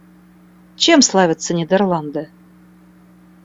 Чем славятся Нидерланды?